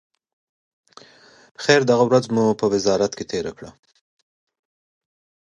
خیر، دغه ورځ مو په وزارت کې تېره کړه.